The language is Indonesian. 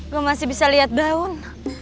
gue masih bisa lihat daun